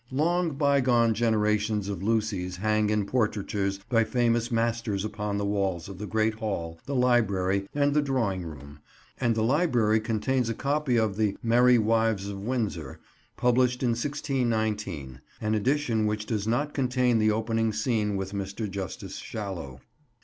Long bygone generations of Lucys hang in portraitures by famous masters upon the walls of the great hall, the library, and the drawing room; and the library contains a copy of the Merry Wives of Windsor, published in 1619; an edition which does not contain the opening scene with Mr. Justice Shallow.